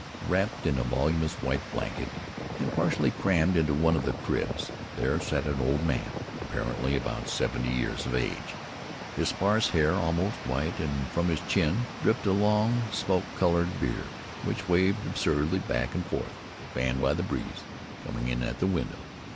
Wrapped in a voluminous white blanket, and partly crammed into one of the cribs, there sat an old man apparently about seventy years of age. His sparse hair was almost white, and from his chin dripped a long smoke coloured beard, which waved absurdly back and forth, fanned by the breeze coming in at the window.